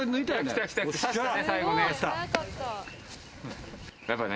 最後ね。